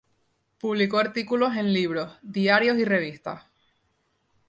Publicó artículos en libros, diarios y revistas.